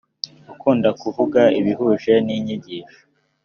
akunda kuvuga ibihuje n’ inyigisho.